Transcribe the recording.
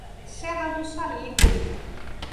Serra do Salitre